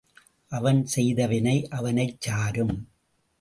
அவன் செய்த வினை அவனைச் சாரும்.